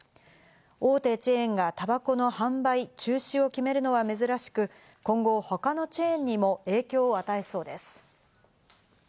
大手チェーンがたばこの販売中止を決めるのは珍しく、今後、他のチェーンにも影響を与えそうです。